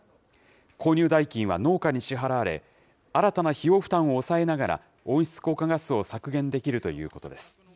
購入代金は農家に支払われ、新たな費用負担を抑えながら、温室効果ガスを削減できるということです。